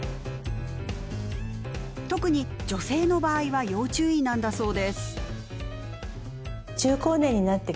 特に女性の場合は要注意なんだそうです。